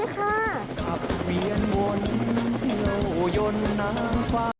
สวัสดีค่ะ